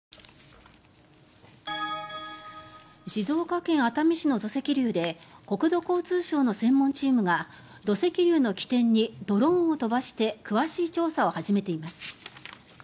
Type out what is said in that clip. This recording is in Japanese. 静岡県熱海市の土石流で国土交通省の専門チームが土石流の起点にドローンを飛ばして詳しい調査を始めています。